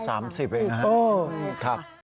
อายุ๓๐เองครับ